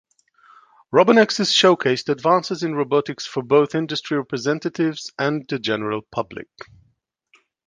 RoboNexus showcased advances in robotics for both industry representatives and the general public.